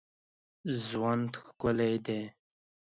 ژوند ښکلی دی.